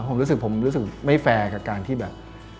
ผมรู้สึกไม่แฟร์กับการที่แบบ